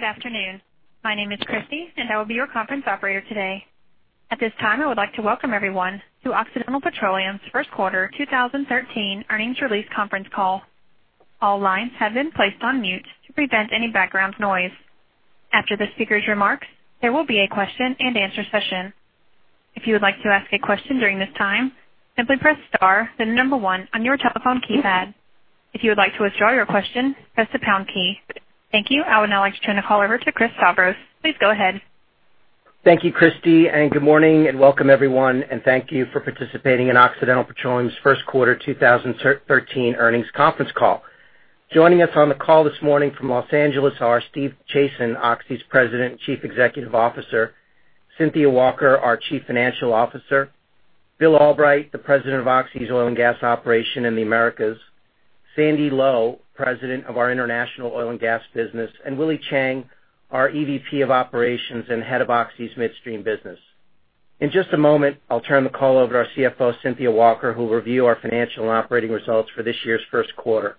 Good afternoon. My name is Christy, and I will be your conference operator today. At this time, I would like to welcome everyone to Occidental Petroleum's first quarter 2013 earnings release conference call. All lines have been placed on mute to prevent any background noise. After the speakers' remarks, there will be a question and answer session. If you would like to ask a question during this time, simply press star, then 1 on your telephone keypad. If you would like to withdraw your question, press the pound key. Thank you. I would now like to turn the call over to Chris Stavros. Please go ahead. Thank you, Christy. Good morning, and welcome everyone. Thank you for participating in Occidental Petroleum's first quarter 2013 earnings conference call. Joining us on the call this morning from Los Angeles are Steve Chazen, Oxy's President, Chief Executive Officer, Cynthia Walker, our Chief Financial Officer, Bill Albright, the President of Oxy's Oil and Gas Operation in the Americas, Sandy Lowe, President of our International Oil and Gas business, and Willie Chiang, our EVP of Operations and head of Oxy's midstream business. In just a moment, I'll turn the call over to our CFO, Cynthia Walker, who will review our financial and operating results for this year's first quarter.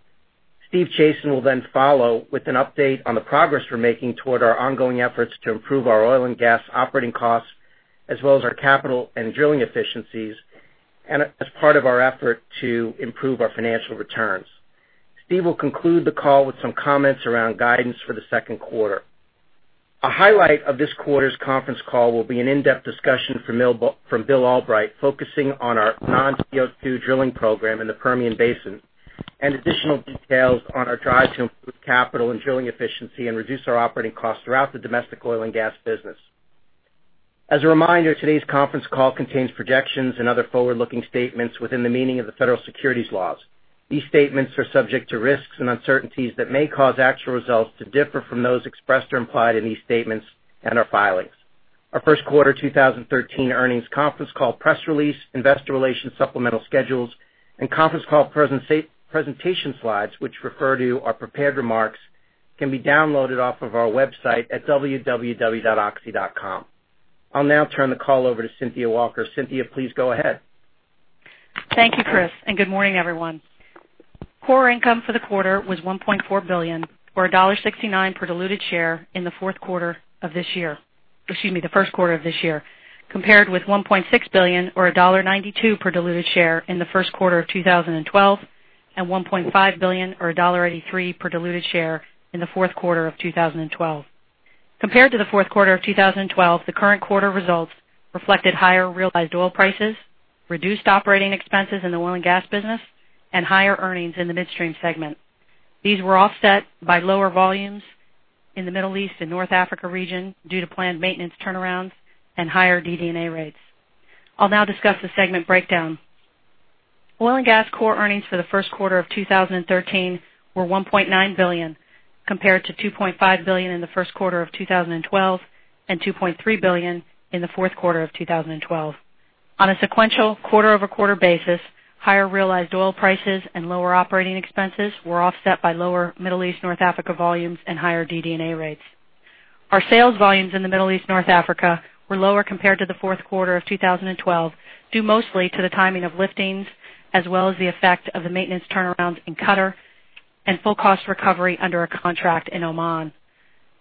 Steve Chazen will then follow with an update on the progress we're making toward our ongoing efforts to improve our oil and gas operating costs, as well as our capital and drilling efficiencies, and as part of our effort to improve our financial returns. Steve will conclude the call with some comments around guidance for the second quarter. A highlight of this quarter's conference call will be an in-depth discussion from Bill Albright, focusing on our non-CO2 drilling program in the Permian Basin and additional details on our drive to improve capital and drilling efficiency and reduce our operating costs throughout the domestic oil and gas business. As a reminder, today's conference call contains projections and other forward-looking statements within the meaning of the federal securities laws. These statements are subject to risks and uncertainties that may cause actual results to differ from those expressed or implied in these statements and our filings. Our first quarter 2013 earnings conference call press release, investor relations supplemental schedules, and conference call presentation slides, which refer to our prepared remarks, can be downloaded off of our website at www.oxy.com. I'll now turn the call over to Cynthia Walker. Cynthia, please go ahead. Thank you, Chris, and good morning, everyone. Core income for the quarter was $1.4 billion, or $1.69 per diluted share in the first quarter of this year, compared with $1.6 billion or $1.92 per diluted share in the first quarter of 2012, and $1.5 billion or $1.83 per diluted share in the fourth quarter of 2012. Compared to the fourth quarter of 2012, the current quarter results reflected higher realized oil prices, reduced operating expenses in the oil and gas business, and higher earnings in the midstream segment. These were offset by lower volumes in the Middle East and North Africa region due to planned maintenance turnarounds and higher DD&A rates. I will now discuss the segment breakdown. Oil and gas core earnings for the first quarter of 2013 were $1.9 billion, compared to $2.5 billion in the first quarter of 2012 and $2.3 billion in the fourth quarter of 2012. On a sequential quarter-over-quarter basis, higher realized oil prices and lower operating expenses were offset by lower Middle East North Africa volumes and higher DD&A rates. Our sales volumes in the Middle East North Africa were lower compared to the fourth quarter of 2012, due mostly to the timing of liftings, as well as the effect of the maintenance turnarounds in Qatar and full cost recovery under a contract in Oman.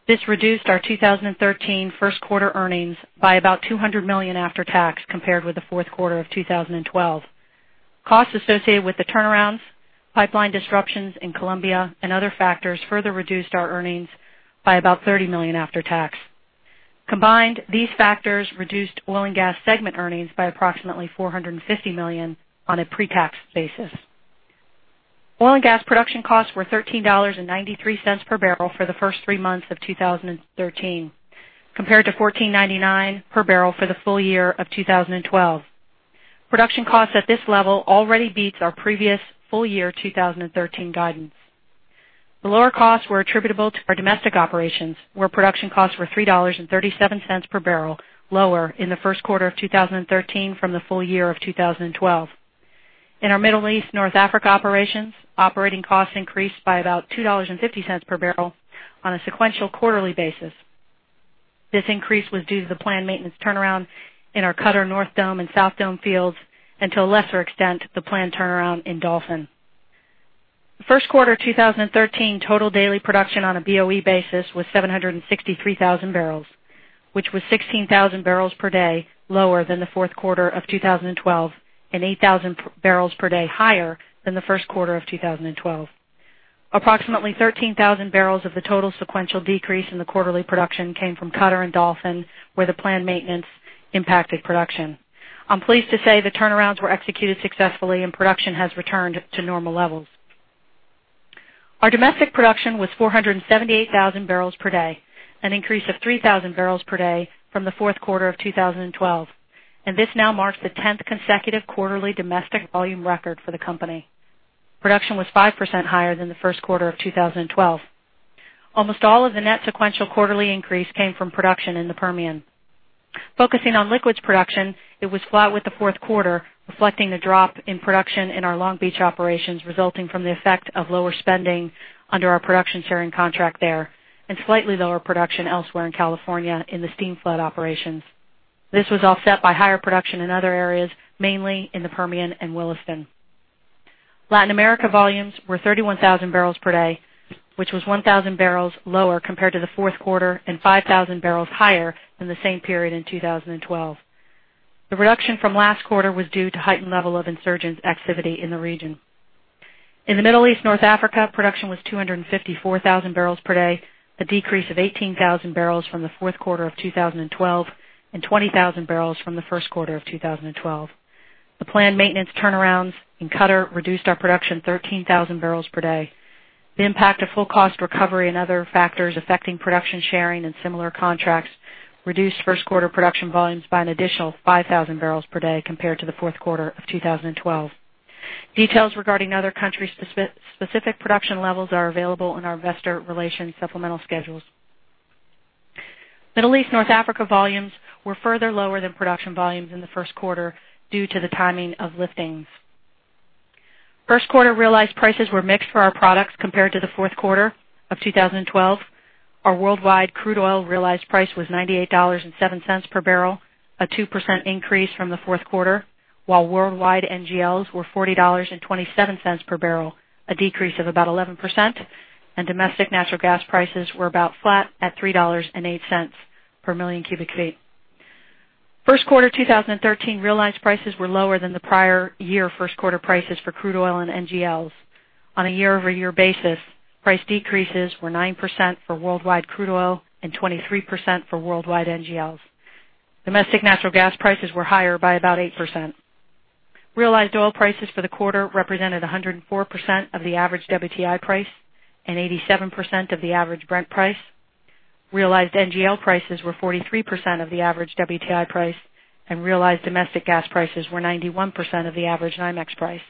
This reduced our 2013 first quarter earnings by about $200 million after tax, compared with the fourth quarter of 2012. Costs associated with the turnarounds, pipeline disruptions in Colombia, and other factors further reduced our earnings by about $30 million after tax. Combined, these factors reduced oil and gas segment earnings by approximately $450 million on a pre-tax basis. Oil and gas production costs were $13.93 per barrel for the first three months of 2013, compared to $14.99 per barrel for the full year of 2012. Production costs at this level already beats our previous full year 2013 guidance. The lower costs were attributable to our domestic operations, where production costs were $3.37 per barrel lower in the first quarter of 2013 from the full year of 2012. In our Middle East North Africa operations, operating costs increased by about $2.50 per barrel on a sequential quarterly basis. This increase was due to the planned maintenance turnaround in our Qatar North Dome and South Dome fields, and to a lesser extent, the planned turnaround in Dolphin. First quarter 2013 total daily production on a BOE basis was 763,000 barrels, which was 16,000 barrels per day lower than the fourth quarter of 2012, and 8,000 barrels per day higher than the first quarter of 2012. Approximately 13,000 barrels of the total sequential decrease in the quarterly production came from Qatar and Dolphin, where the planned maintenance impacted production. I am pleased to say the turnarounds were executed successfully, and production has returned to normal levels. Our domestic production was 478,000 barrels per day, an increase of 3,000 barrels per day from the fourth quarter of 2012, and this now marks the tenth consecutive quarterly domestic volume record for the company. Production was 5% higher than the first quarter of 2012. Almost all of the net sequential quarterly increase came from production in the Permian. Focusing on liquids production, it was flat with the fourth quarter, reflecting a drop in production in our Long Beach operations resulting from the effect of lower spending under our production sharing contract there, and slightly lower production elsewhere in California in the steam flood operations. This was offset by higher production in other areas, mainly in the Permian and Williston. Latin America volumes were 31,000 barrels per day, which was 1,000 barrels lower compared to the fourth quarter and 5,000 barrels higher than the same period in 2012. The reduction from last quarter was due to heightened level of insurgent activity in the region. In the Middle East, North Africa, production was 254,000 barrels per day, a decrease of 18,000 barrels from the fourth quarter of 2012 and 20,000 barrels from the first quarter of 2012. The planned maintenance turnarounds in Qatar reduced our production 13,000 barrels per day. The impact of full cost recovery and other factors affecting production sharing and similar contracts reduced first quarter production volumes by an additional 5,000 barrels per day compared to the fourth quarter of 2012. Details regarding other country specific production levels are available in our investor relations supplemental schedules. Middle East, North Africa volumes were further lower than production volumes in the first quarter due to the timing of liftings. First quarter realized prices were mixed for our products compared to the fourth quarter of 2012. Our worldwide crude oil realized price was $98.07 per barrel, a 2% increase from the fourth quarter, while worldwide NGLs were $40.27 per barrel, a decrease of about 11%, and domestic natural gas prices were about flat at $3.08 per million cubic feet. First quarter 2013 realized prices were lower than the prior year first quarter prices for crude oil and NGLs. On a year-over-year basis, price decreases were 9% for worldwide crude oil and 23% for worldwide NGLs. Domestic natural gas prices were higher by about 8%. Realized oil prices for the quarter represented 104% of the average WTI price and 87% of the average Brent price. Realized NGL prices were 43% of the average WTI price, and realized domestic gas prices were 91% of the average NYMEX price.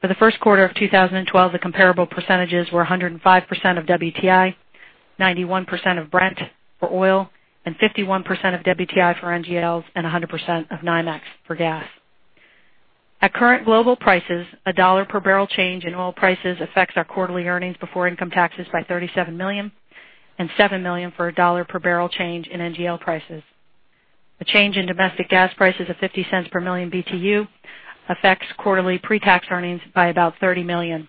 For the first quarter of 2012, the comparable percentages were 105% of WTI, 91% of Brent for oil, and 51% of WTI for NGLs, and 100% of NYMEX for gas. At current global prices, a dollar per barrel change in oil prices affects our quarterly earnings before income taxes by $37 million and $7 million for a dollar per barrel change in NGL prices. A change in domestic gas prices of $0.50 per million BTU affects quarterly pre-tax earnings by about $30 million.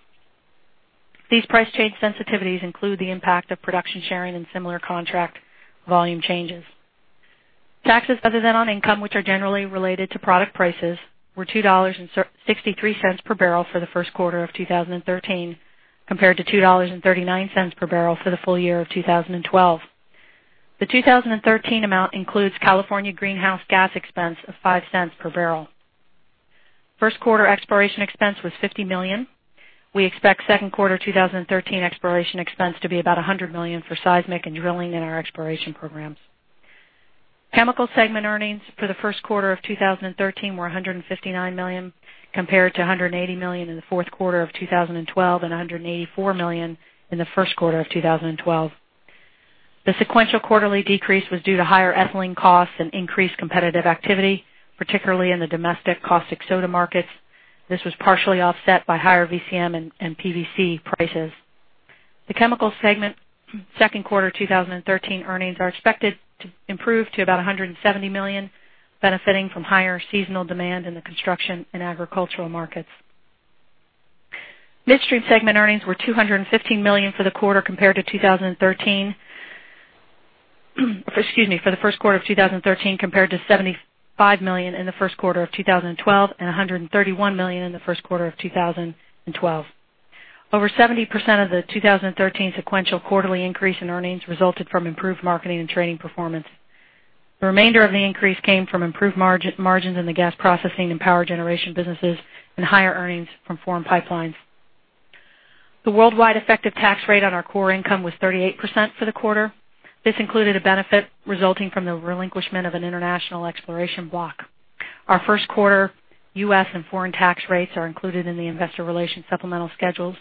These price change sensitivities include the impact of production sharing and similar contract volume changes. Taxes other than on income, which are generally related to product prices, were $2.63 per barrel for the first quarter of 2013, compared to $2.39 per barrel for the full year of 2012. The 2013 amount includes California greenhouse gas expense of $0.05 per barrel. First quarter exploration expense was $50 million. We expect second quarter 2013 exploration expense to be about $100 million for seismic and drilling in our exploration programs. Chemical segment earnings for the first quarter of 2013 were $159 million, compared to $180 million in the fourth quarter of 2012 and $184 million in the first quarter of 2012. The sequential quarterly decrease was due to higher ethylene costs and increased competitive activity, particularly in the domestic caustic soda markets. This was partially offset by higher VCM and PVC prices. The Chemical segment second quarter 2013 earnings are expected to improve to about $170 million, benefiting from higher seasonal demand in the construction and agricultural markets. Midstream segment earnings were $215 million for the quarter compared to 2013. Excuse me. For the first quarter of 2013, compared to $75 million in the first quarter of 2012 and $131 million in the first quarter of 2012. Over 70% of the 2013 sequential quarterly increase in earnings resulted from improved marketing and trading performance. The remainder of the increase came from improved margins in the gas processing and power generation businesses and higher earnings from foreign pipelines. The worldwide effective tax rate on our core income was 38% for the quarter. This included a benefit resulting from the relinquishment of an international exploration block. Our first quarter U.S. and foreign tax rates are included in the investor relations supplemental schedules.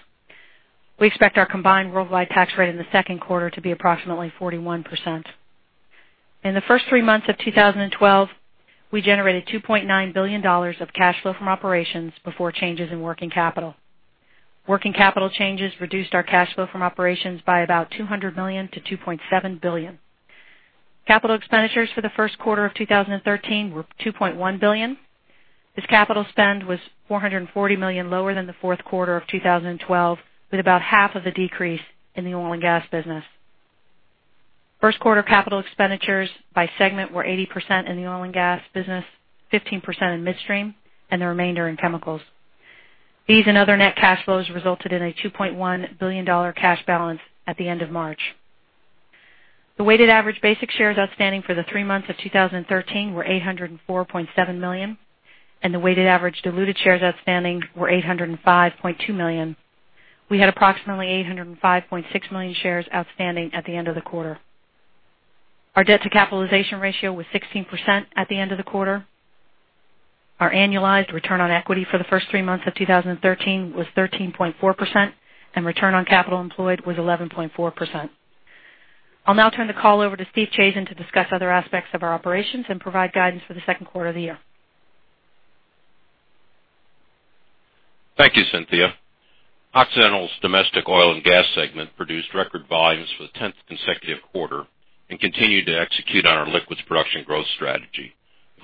We expect our combined worldwide tax rate in the second quarter to be approximately 41%. In the first three months of 2012, we generated $2.9 billion of cash flow from operations before changes in working capital. Working capital changes reduced our cash flow from operations by about $200 million to $2.7 billion. Capital expenditures for the first quarter of 2013 were $2.1 billion. This capital spend was $440 million lower than the fourth quarter of 2012, with about half of the decrease in the oil and gas business. First quarter capital expenditures by segment were 80% in the oil and gas business, 15% in Midstream, and the remainder in Chemicals. These and other net cash flows resulted in a $2.1 billion cash balance at the end of March. The weighted average basic shares outstanding for the three months of 2013 were 804.7 million, and the weighted average diluted shares outstanding were 805.2 million. We had approximately 805.6 million shares outstanding at the end of the quarter. Our debt to capitalization ratio was 16% at the end of the quarter. Our annualized return on equity for the first three months of 2013 was 13.4%, and return on capital employed was 11.4%. I'll now turn the call over to Steve Chazen to discuss other aspects of our operations and provide guidance for the second quarter of the year. Thank you, Cynthia. Occidental's domestic oil and gas segment produced record volumes for the 10th consecutive quarter and continued to execute on our liquids production growth strategy.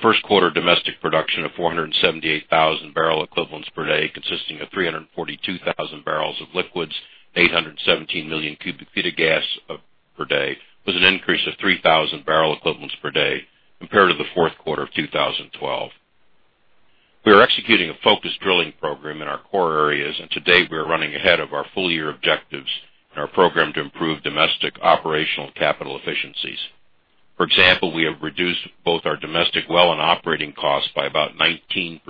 First quarter domestic production of 478,000 barrel equivalents per day, consisting of 342,000 barrels of liquids, 817 million cubic feet of gas per day, was an increase of 3,000 barrel equivalents per day compared to the fourth quarter of 2012. We are executing a focused drilling program in our core areas, and to date, we are running ahead of our full-year objectives and our program to improve domestic operational capital efficiencies. For example, we have reduced both our domestic well and operating costs by about 19%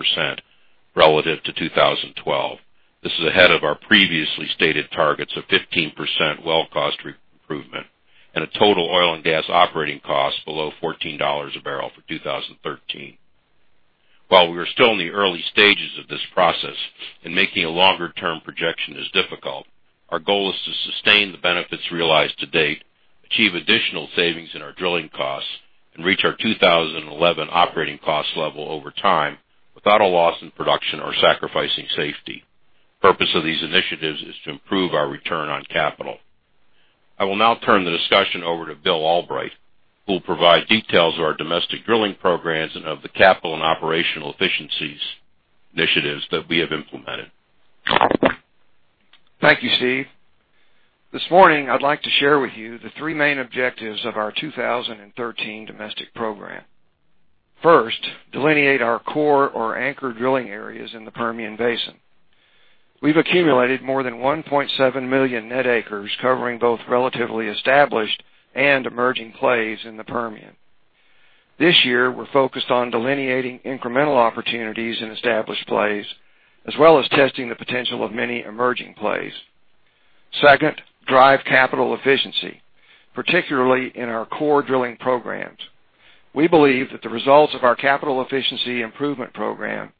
relative to 2012. This is ahead of our previously stated targets of 15% well cost improvement and a total oil and gas operating cost below $14 a barrel for 2013. While we are still in the early stages of this process and making a longer-term projection is difficult, our goal is to sustain the benefits realized to date, achieve additional savings in our drilling costs, and reach our 2011 operating cost level over time without a loss in production or sacrificing safety. The purpose of these initiatives is to improve our return on capital. I will now turn the discussion over to William Albright, who will provide details of our domestic drilling programs and of the capital and operational efficiencies initiatives that we have implemented. Thank you, Steve. This morning, I'd like to share with you the three main objectives of our 2013 domestic program. First, delineate our core or anchor drilling areas in the Permian Basin. We've accumulated more than 1.7 million net acres, covering both relatively established and emerging plays in the Permian. This year, we're focused on delineating incremental opportunities in established plays, as well as testing the potential of many emerging plays. Second, drive capital efficiency, particularly in our core drilling programs. We believe that the results of our capital efficiency improvement program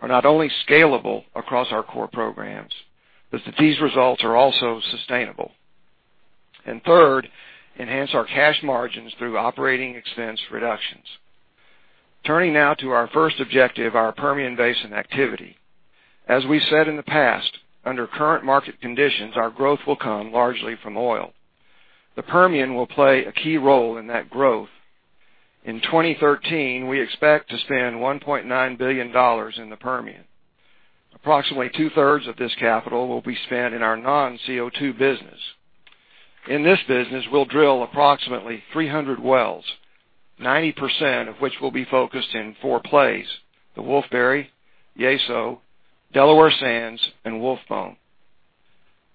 are not only scalable across our core programs, but that these results are also sustainable. Third, enhance our cash margins through operating expense reductions. Turning now to our first objective, our Permian Basin activity. As we said in the past, under current market conditions, our growth will come largely from oil. The Permian will play a key role in that growth. In 2013, we expect to spend $1.9 billion in the Permian. Approximately two-thirds of this capital will be spent in our non-CO2 business. In this business, we'll drill approximately 300 wells, 90% of which will be focused in four plays: the Wolfberry, Yeso, Delaware Sands, and Wolfbone.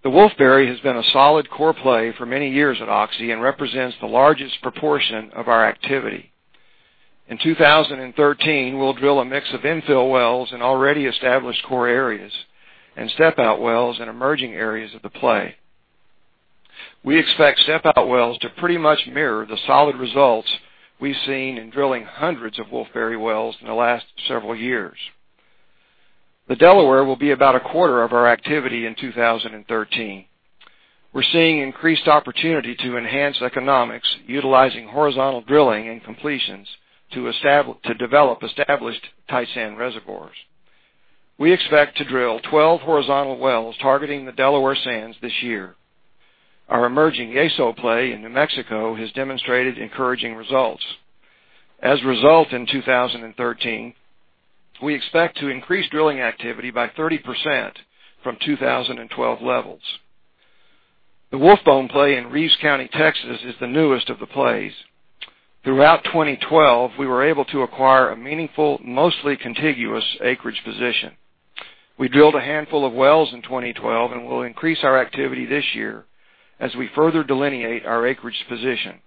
The Wolfberry has been a solid core play for many years at Oxy and represents the largest proportion of our activity. In 2013, we'll drill a mix of infill wells in already established core areas and step-out wells in emerging areas of the play. We expect step-out wells to pretty much mirror the solid results we've seen in drilling hundreds of Wolfberry wells in the last several years. The Delaware will be about a quarter of our activity in 2013. We're seeing increased opportunity to enhance economics utilizing horizontal drilling and completions to develop established tight sand reservoirs. We expect to drill 12 horizontal wells targeting the Delaware Sands this year. Our emerging Yeso play in New Mexico has demonstrated encouraging results. As a result, in 2013, we expect to increase drilling activity by 30% from 2012 levels. The Wolfbone play in Reeves County, Texas, is the newest of the plays. Throughout 2012, we were able to acquire a meaningful, mostly contiguous acreage position. We drilled a handful of wells in 2012 and will increase our activity this year as we further delineate our acreage position.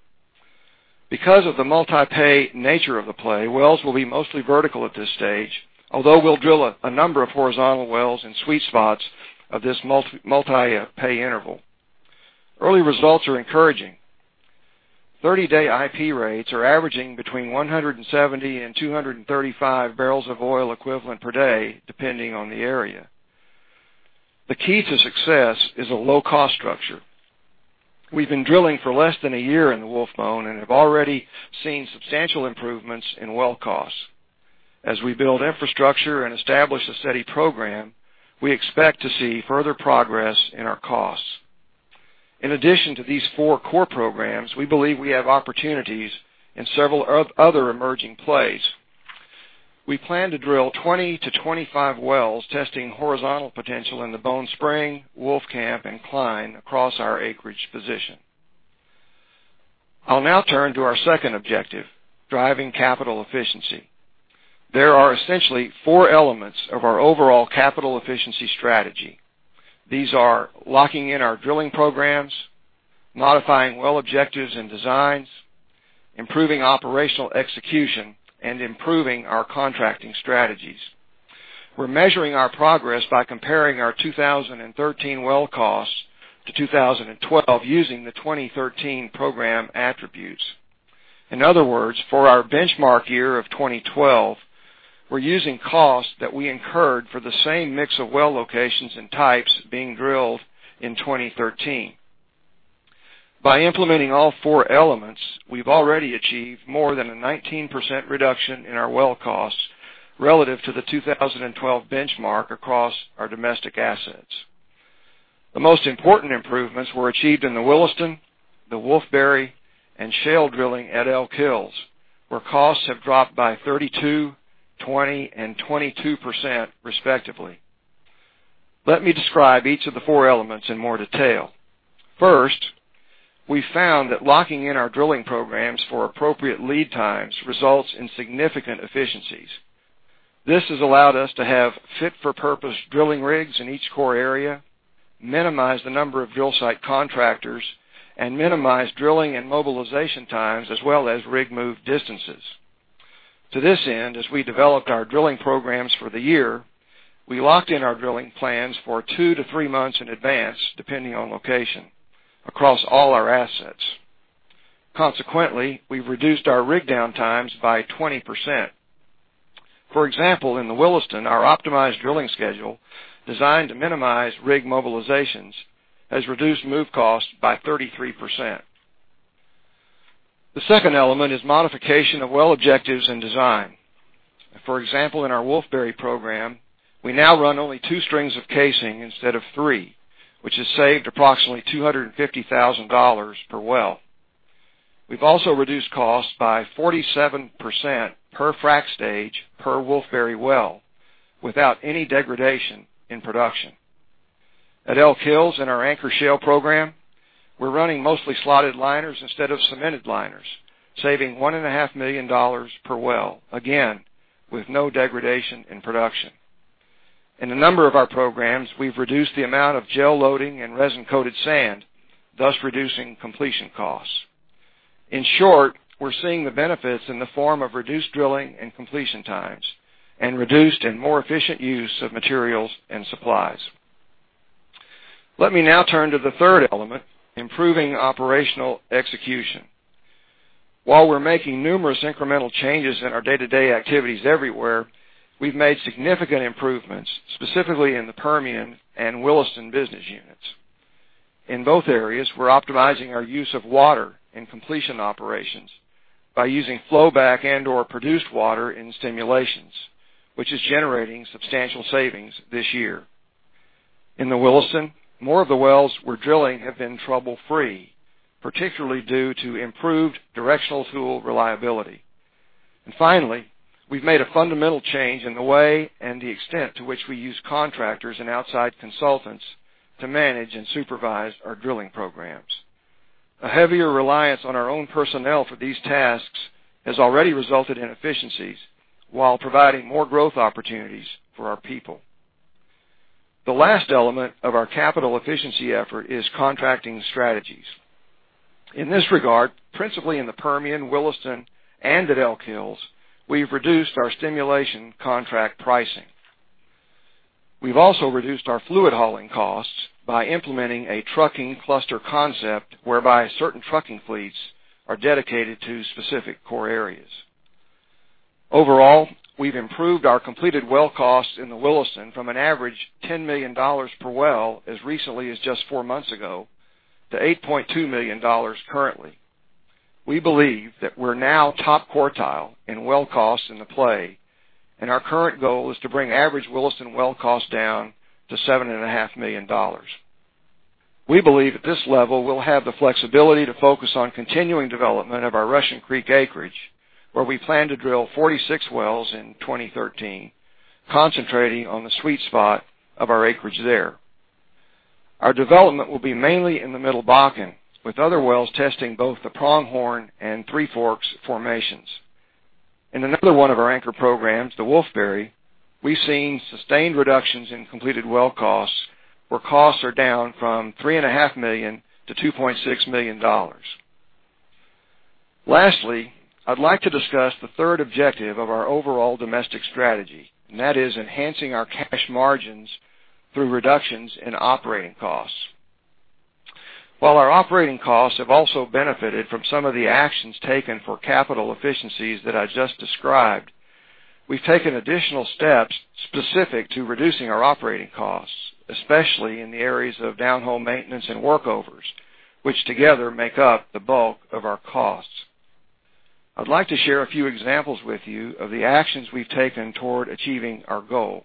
Because of the multi-pay nature of the play, wells will be mostly vertical at this stage, although we'll drill a number of horizontal wells in sweet spots of this multi-pay interval. Early results are encouraging. 30-day IP rates are averaging between 170 and 235 barrels of oil equivalent per day, depending on the area. The key to success is a low cost structure. We've been drilling for less than a year in the Wolfbone and have already seen substantial improvements in well costs. As we build infrastructure and establish a steady program, we expect to see further progress in our costs. In addition to these four core programs, we believe we have opportunities in several other emerging plays. We plan to drill 20 to 25 wells testing horizontal potential in the Bone Spring, Wolfcamp, and Cline across our acreage position. I'll now turn to our second objective, driving capital efficiency. There are essentially four elements of our overall capital efficiency strategy. These are locking in our drilling programs, modifying well objectives and designs, improving operational execution, and improving our contracting strategies. We're measuring our progress by comparing our 2013 well costs to 2012 using the 2013 program attributes. In other words, for our benchmark year of 2012, we're using costs that we incurred for the same mix of well locations and types being drilled in 2013. By implementing all four elements, we've already achieved more than a 19% reduction in our well costs relative to the 2012 benchmark across our domestic assets. The most important improvements were achieved in the Williston, the Wolfberry, and shale drilling at Elk Hills, where costs have dropped by 32%, 20%, and 22% respectively. Let me describe each of the four elements in more detail. First, we found that locking in our drilling programs for appropriate lead times results in significant efficiencies. This has allowed us to have fit-for-purpose drilling rigs in each core area, minimize the number of drill site contractors, and minimize drilling and mobilization times as well as rig move distances. To this end, as we developed our drilling programs for the year, we locked in our drilling plans for two to three months in advance, depending on location, across all our assets. Consequently, we've reduced our rig downtimes by 20%. For example, in the Williston, our optimized drilling schedule, designed to minimize rig mobilizations, has reduced move costs by 33%. The second element is modification of well objectives and design. For example, in our Wolfberry program, we now run only two strings of casing instead of three, which has saved approximately $250,000 per well. We've also reduced costs by 47% per frack stage per Wolfberry well, without any degradation in production. At Elk Hills, in our anchor shale program, we're running mostly slotted liners instead of cemented liners, saving $1.5 million per well, again, with no degradation in production. In a number of our programs, we've reduced the amount of gel loading and resin-coated sand, thus reducing completion costs. In short, we're seeing the benefits in the form of reduced drilling and completion times, and reduced and more efficient use of materials and supplies. Let me now turn to the third element, improving operational execution. While we're making numerous incremental changes in our day-to-day activities everywhere, we've made significant improvements, specifically in the Permian and Williston business units. In both areas, we're optimizing our use of water in completion operations by using flow back and/or produced water in stimulations, which is generating substantial savings this year. In the Williston, more of the wells we're drilling have been trouble-free, particularly due to improved directional tool reliability. Finally, we've made a fundamental change in the way and the extent to which we use contractors and outside consultants to manage and supervise our drilling programs. A heavier reliance on our own personnel for these tasks has already resulted in efficiencies while providing more growth opportunities for our people. The last element of our capital efficiency effort is contracting strategies. In this regard, principally in the Permian, Williston, and at Elk Hills, we've reduced our stimulation contract pricing. We've also reduced our fluid hauling costs by implementing a trucking cluster concept whereby certain trucking fleets are dedicated to specific core areas. Overall, we've improved our completed well costs in the Williston from an average $10 million per well as recently as just four months ago to $8.2 million currently. We believe that we're now top quartile in well costs in the play. Our current goal is to bring average Williston well costs down to $7.5 million. We believe at this level we'll have the flexibility to focus on continuing development of our Rush Creek acreage, where we plan to drill 46 wells in 2013, concentrating on the sweet spot of our acreage there. Our development will be mainly in the Middle Bakken, with other wells testing both the Pronghorn and Three Forks formations. In another one of our anchor programs, the Wolfberry, we've seen sustained reductions in completed well costs, where costs are down from $3.5 million to $2.6 million. Lastly, I'd like to discuss the third objective of our overall domestic strategy, and that is enhancing our cash margins through reductions in operating costs. While our operating costs have also benefited from some of the actions taken for capital efficiencies that I just described, we've taken additional steps specific to reducing our operating costs, especially in the areas of downhole maintenance and workovers, which together make up the bulk of our costs. I'd like to share a few examples with you of the actions we've taken toward achieving our goal.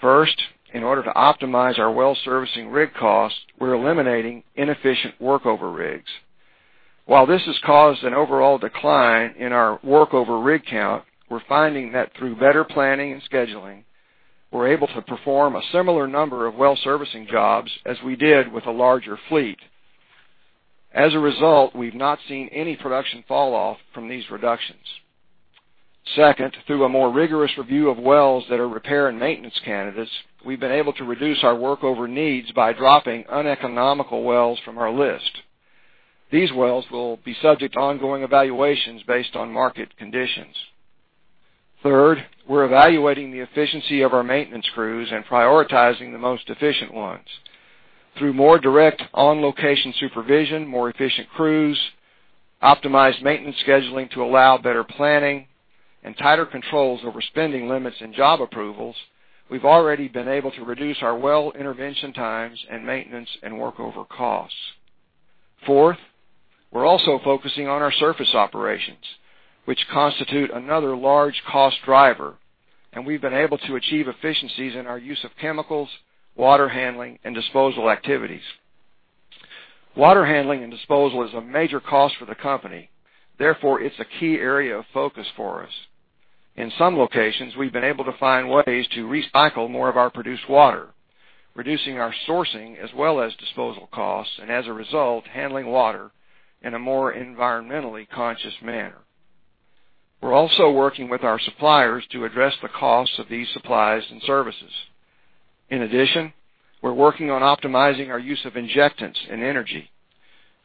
First, in order to optimize our well servicing rig costs, we're eliminating inefficient workover rigs. While this has caused an overall decline in our workover rig count, we're finding that through better planning and scheduling, we're able to perform a similar number of well-servicing jobs as we did with a larger fleet. As a result, we've not seen any production fall off from these reductions. Second, through a more rigorous review of wells that are repair and maintenance candidates, we've been able to reduce our workover needs by dropping uneconomical wells from our list. These wells will be subject to ongoing evaluations based on market conditions. Third, we're evaluating the efficiency of our maintenance crews and prioritizing the most efficient ones. Through more direct on-location supervision, Optimize maintenance scheduling to allow better planning and tighter controls over spending limits and job approvals, we've already been able to reduce our well intervention times and maintenance and workover costs. Fourth, we're also focusing on our surface operations, which constitute another large cost driver. We've been able to achieve efficiencies in our use of chemicals, water handling, and disposal activities. Water handling and disposal is a major cost for the company. Therefore, it's a key area of focus for us. In some locations, we've been able to find ways to recycle more of our produced water, reducing our sourcing as well as disposal costs. As a result, handling water in a more environmentally conscious manner. We're also working with our suppliers to address the costs of these supplies and services. In addition, we're working on optimizing our use of injectants and energy.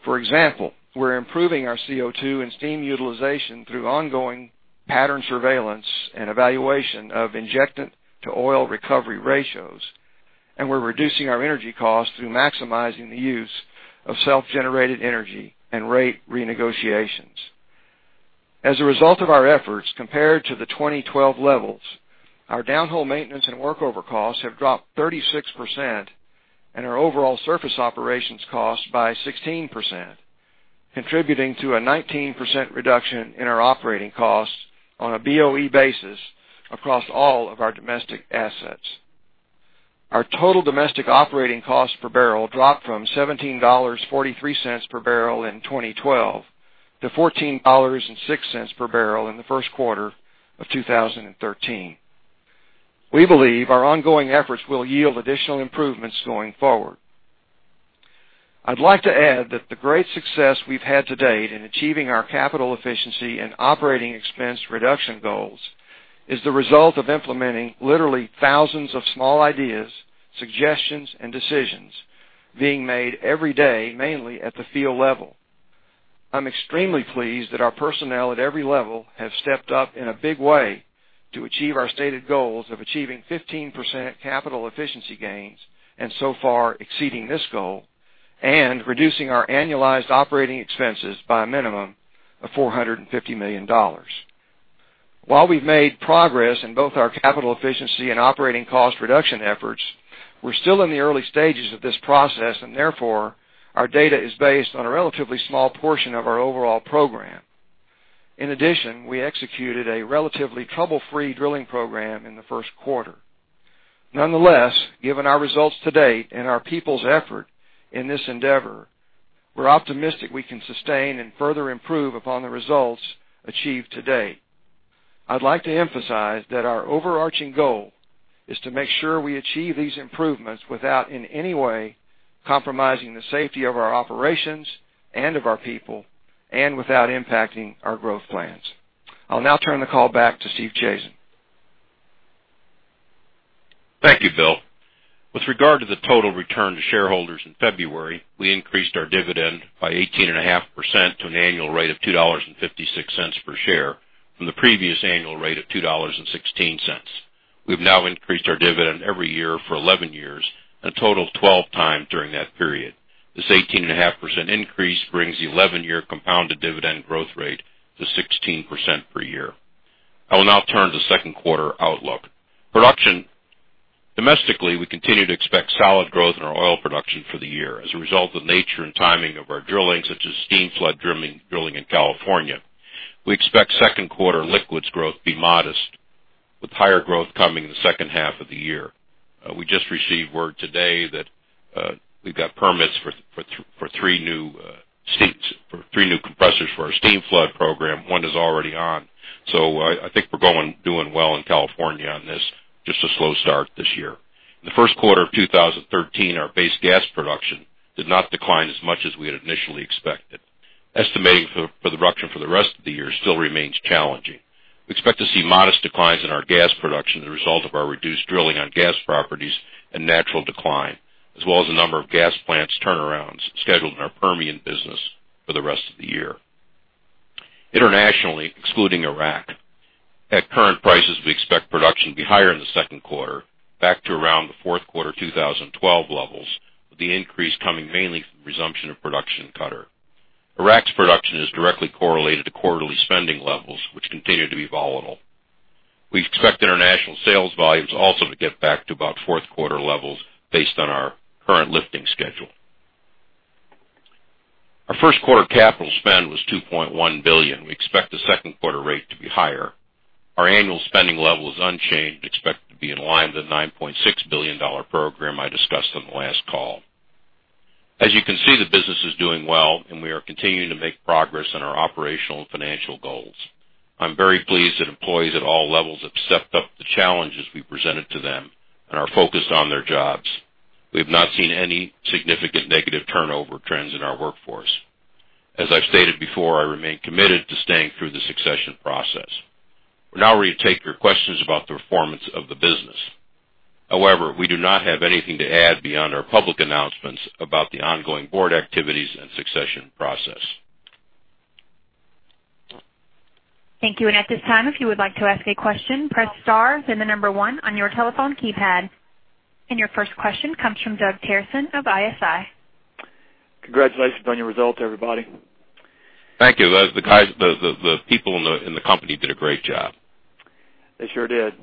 For example, we're improving our CO2 and steam utilization through ongoing pattern surveillance and evaluation of injectant to oil recovery ratios. We're reducing our energy costs through maximizing the use of self-generated energy and rate renegotiations. As a result of our efforts, compared to the 2012 levels, our downhole maintenance and workover costs have dropped 36%, and our overall surface operations cost by 16%, contributing to a 19% reduction in our operating costs on a BOE basis across all of our domestic assets. Our total domestic operating cost per barrel dropped from $17.43 per barrel in 2012 to $14.06 per barrel in the first quarter of 2013. We believe our ongoing efforts will yield additional improvements going forward. I'd like to add that the great success we've had to date in achieving our capital efficiency and operating expense reduction goals is the result of implementing literally thousands of small ideas, suggestions, and decisions being made every day, mainly at the field level. I'm extremely pleased that our personnel at every level have stepped up in a big way to achieve our stated goals of achieving 15% capital efficiency gains, and so far exceeding this goal, and reducing our annualized operating expenses by a minimum of $450 million. While we've made progress in both our capital efficiency and operating cost reduction efforts, we're still in the early stages of this process, and therefore, our data is based on a relatively small portion of our overall program. In addition, we executed a relatively trouble-free drilling program in the first quarter. Nonetheless, given our results to date and our people's effort in this endeavor, we're optimistic we can sustain and further improve upon the results achieved to date. I'd like to emphasize that our overarching goal is to make sure we achieve these improvements without in any way compromising the safety of our operations and of our people, and without impacting our growth plans. I'll now turn the call back to Stephen Chazen. Thank you, Bill. With regard to the total return to shareholders in February, we increased our dividend by 18.5% to an annual rate of $2.56 per share from the previous annual rate of $2.16. We've now increased our dividend every year for 11 years and a total of 12 times during that period. This 18.5% increase brings the 11-year compounded dividend growth rate to 16% per year. I will now turn to second quarter outlook. Production. Domestically, we continue to expect solid growth in our oil production for the year as a result of the nature and timing of our drilling, such as steam flood drilling in California. We expect second quarter liquids growth to be modest, with higher growth coming in the second half of the year. We just received word today that we've got permits for three new compressors for our steam flood program. One is already on. I think we're doing well in California on this, just a slow start this year. In the first quarter of 2013, our base gas production did not decline as much as we had initially expected. Estimating for the production for the rest of the year still remains challenging. We expect to see modest declines in our gas production as a result of our reduced drilling on gas properties and natural decline, as well as a number of gas plants turnarounds scheduled in our Permian business for the rest of the year. Internationally, excluding Iraq, at current prices, we expect production to be higher in the second quarter, back to around the fourth quarter 2012 levels, with the increase coming mainly from resumption of production in Qatar. Iraq's production is directly correlated to quarterly spending levels, which continue to be volatile. We expect international sales volumes also to get back to about fourth quarter levels based on our current lifting schedule. Our first quarter capital spend was $2.1 billion. We expect the second quarter rate to be higher. Our annual spending level is unchanged, expected to be in line with the $9.6 billion program I discussed on the last call. You can see, the business is doing well, and we are continuing to make progress on our operational and financial goals. I'm very pleased that employees at all levels have stepped up the challenges we presented to them and are focused on their jobs. We have not seen any significant negative turnover trends in our workforce. As I've stated before, I remain committed to staying through the succession process. We're now ready to take your questions about the performance of the business. We do not have anything to add beyond our public announcements about the ongoing board activities and succession process. Thank you. At this time, if you would like to ask a question, press star, then the number one on your telephone keypad. Your first question comes from Doug Terreson of ISI. Congratulations on your results, everybody. Thank you. The people in the company did a great job. They sure did.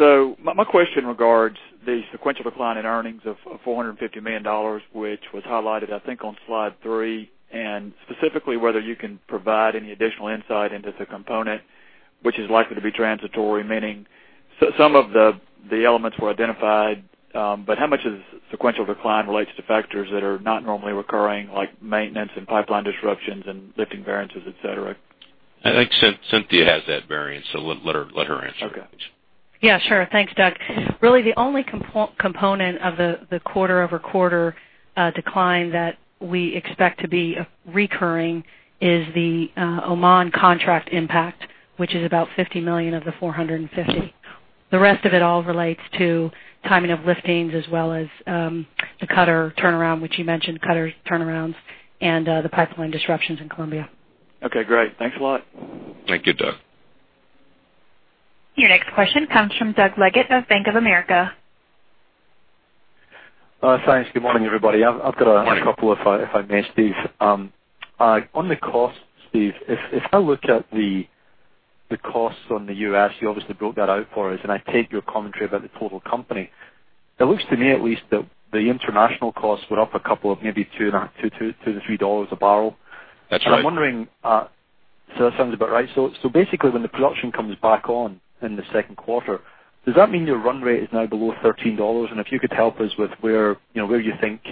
My question regards the sequential decline in earnings of $450 million, which was highlighted, I think, on slide three, and specifically whether you can provide any additional insight into the component, which is likely to be transitory, meaning some of the elements were identified. How much of the sequential decline relates to factors that are not normally recurring, like maintenance and pipeline disruptions and lifting variances, et cetera? I think Cynthia has that variance, so let her answer it. Okay. Yeah, sure. Thanks, Doug. Really, the only component of the quarter-over-quarter decline that we expect to be recurring is the Oman contract impact, which is about $50 million of the $450. The rest of it all relates to timing of liftings as well as the Qatar turnaround, which you mentioned, Qatar turnarounds and the pipeline disruptions in Colombia. Okay, great. Thanks a lot. Thank you, Doug. Your next question comes from Doug Leggate of Bank of America. Thanks. Good morning, everybody. Morning. I've got a couple, if I may, Steve. On the cost, Steve, if I look at the costs on the U.S., you obviously broke that out for us, and I take your commentary about the total company. It looks to me at least that the international costs were up a couple of maybe $2-$3 a barrel. That's right. I'm wondering, so that sounds about right. Basically, when the production comes back on in the second quarter, does that mean your run rate is now below $13? If you could help us with where you think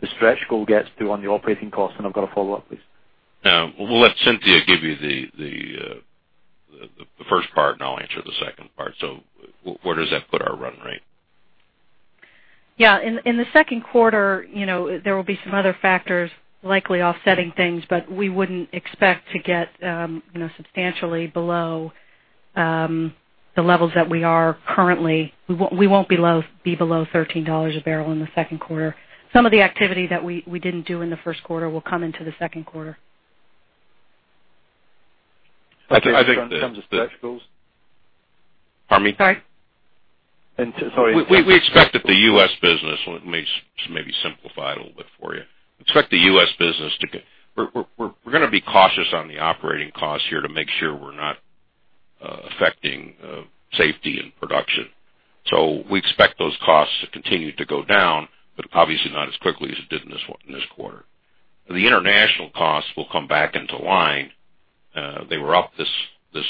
the stretch goal gets to on the operating cost, and I've got a follow-up, please. We'll let Cynthia give you the first part, and I'll answer the second part. Where does that put our run rate? Yeah. In the second quarter, there will be some other factors likely offsetting things, we wouldn't expect to get substantially below the levels that we are currently. We won't be below $13 a barrel in the second quarter. Some of the activity that we didn't do in the first quarter will come into the second quarter. I think the- In terms of stretch goals? Pardon me? Sorry. Sorry. We expect that the U.S. business, let me maybe simplify it a little bit for you. We're going to be cautious on the operating costs here to make sure we're not affecting safety and production. We expect those costs to continue to go down, but obviously not as quickly as it did in this quarter. The international costs will come back into line. They were up this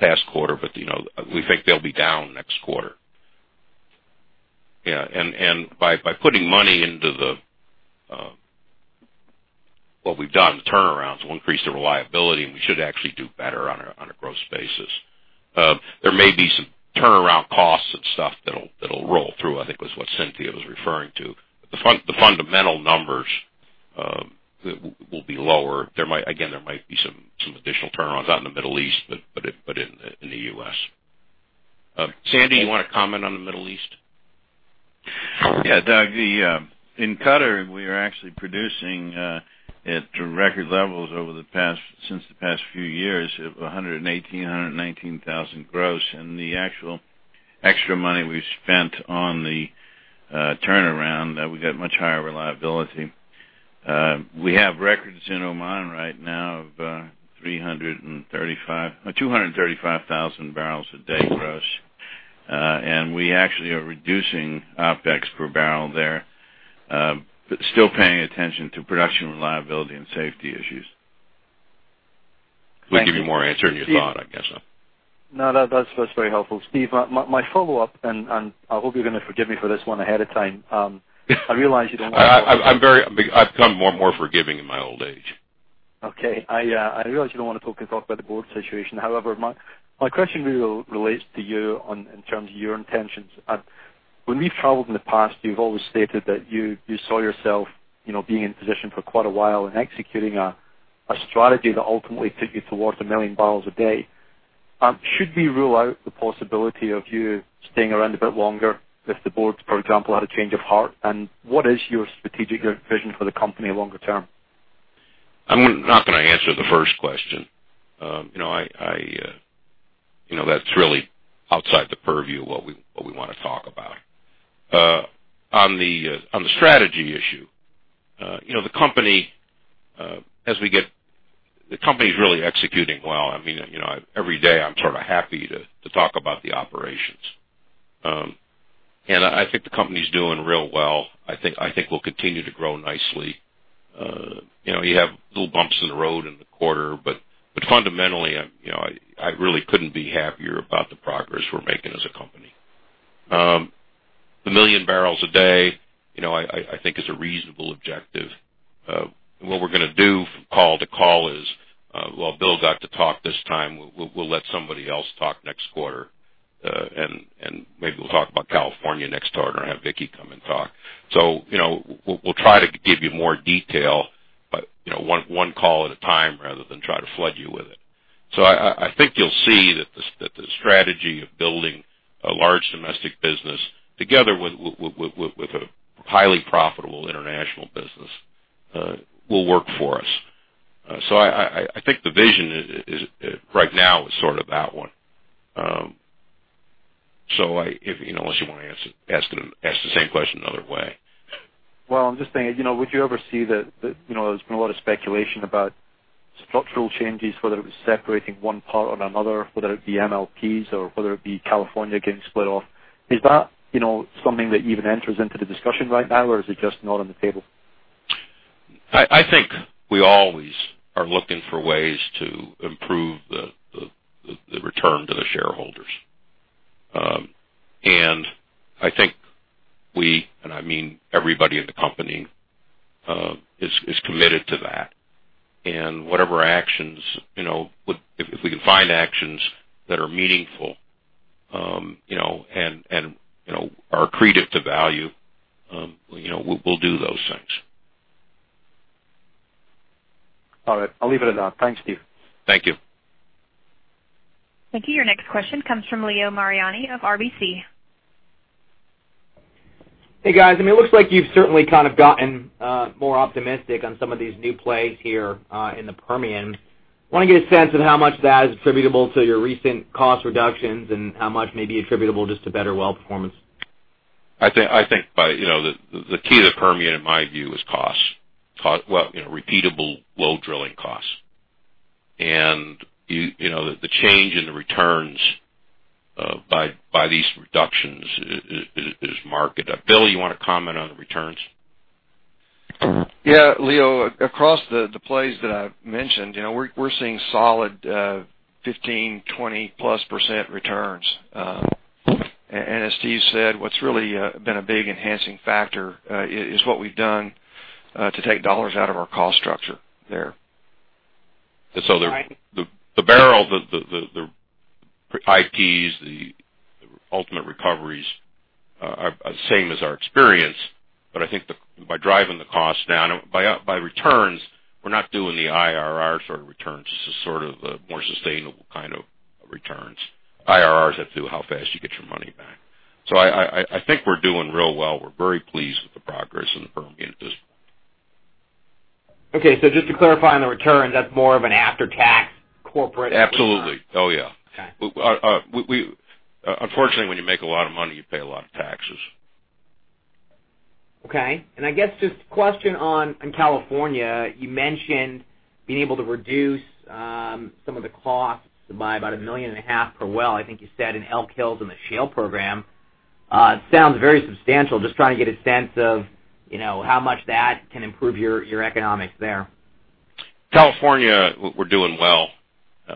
past quarter, but we think they'll be down next quarter. By putting money into what we've done, the turnarounds, we'll increase the reliability, and we should actually do better on a gross basis. There may be some turnaround costs and stuff that'll roll through, I think was what Cynthia was referring to. The fundamental numbers will be lower. Again, there might be some additional turnarounds, not in the Middle East, but in the U.S. Sandy, you want to comment on the Middle East? Yeah, Doug. In Qatar, we are actually producing at record levels over since the past few years of 118,000, 119,000 gross. The actual extra money we've spent on the turnaround, we've got much higher reliability. We have records in Oman right now of 235,000 barrels a day gross. We actually are reducing OpEx per barrel there. Still paying attention to production reliability and safety issues. We gave you more answer than you thought, I guess. No, that's very helpful. Steve, my follow-up, and I hope you're going to forgive me for this one ahead of time. I realize you don't want to- I've become more forgiving in my old age. Okay. I realize you don't want to talk about the board situation. My question really relates to you in terms of your intentions. When we've traveled in the past, you've always stated that you saw yourself being in position for quite a while and executing a strategy that ultimately took you towards 1 million barrels a day. Should we rule out the possibility of you staying around a bit longer if the board, for example, had a change of heart? What is your strategic vision for the company longer term? I'm not going to answer the first question. That's really outside the purview of what we want to talk about. On the strategy issue, the company is really executing well. Every day, I'm sort of happy to talk about the operations. I think the company's doing real well. I think we'll continue to grow nicely. You have little bumps in the road in the quarter, but fundamentally, I really couldn't be happier about the progress we're making as a company. The 1 million barrels a day, I think is a reasonable objective. What we're going to do from call to call is, well, Bill got to talk this time. We'll let somebody else talk next quarter, and maybe we'll talk about California next quarter and have Vicki come and talk. We'll try to give you more detail, but one call at a time rather than try to flood you with it. I think you'll see that the strategy of building a large domestic business together with a highly profitable international business will work for us. I think the vision right now is sort of that one. Unless you want to ask the same question another way. Well, I'm just thinking, would you ever see that, there's been a lot of speculation about structural changes, whether it was separating one part or another, whether it be MLPs or whether it be California getting split off. Is that something that even enters into the discussion right now, or is it just not on the table? I think we always are looking for ways to improve the return to the shareholders. I think we, and I mean everybody in the company, is committed to that. Whatever actions, if we can find actions that are meaningful, and are accretive to value, we'll do those things. All right. I'll leave it at that. Thanks, Steve. Thank you. Thank you. Your next question comes from Leo Mariani of RBC. Hey, guys. It looks like you've certainly gotten more optimistic on some of these new plays here in the Permian. Want to get a sense of how much of that is attributable to your recent cost reductions and how much may be attributable just to better well performance. I think the key to the Permian, in my view, is costs. Repeatable, low drilling costs. The change in the returns by these reductions is market. Bill, you want to comment on the returns? Yeah, Leo, across the plays that I've mentioned, we're seeing solid 15%-20%+ returns. As Steve said, what's really been a big enhancing factor is what we've done to take dollars out of our cost structure there. The barrel, the IPs, the ultimate recoveries are the same as our experience. I think by driving the cost down, by returns, we're not doing the IRR sort of returns. This is sort of the more sustainable kind of returns. IRRs that do how fast you get your money back. I think we're doing real well. We're very pleased with the progress in the Permian at this point. Okay, just to clarify on the return, that's more of an after-tax corporate return. Absolutely. Oh, yeah. Okay. Unfortunately, when you make a lot of money, you pay a lot of taxes. Okay. I guess just a question on California. You mentioned being able to reduce some of the costs by about a million and a half per well, I think you said in Elk Hills in the shale program. It sounds very substantial. Just trying to get a sense of how much that can improve your economics there. California, we're doing well.